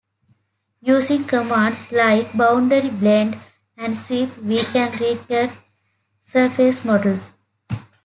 Using commands like Boundary blend and Sweep we can create surface models.